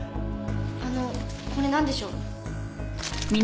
あのこれなんでしょう？